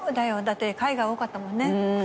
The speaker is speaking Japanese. だって海外多かったもんね。